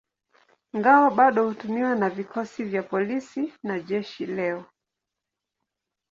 Ngao bado hutumiwa na vikosi vya polisi na jeshi leo.